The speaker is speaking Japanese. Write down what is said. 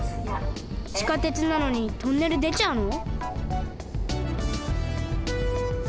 地下鉄なのにトンネルでちゃうの？